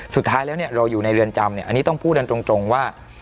สุดท้ายแล้วเราอยู่ในเรือนจำเนี่ยอันนี้ต้องพูดกันตรงว่า